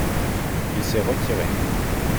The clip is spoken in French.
il s'est retiré.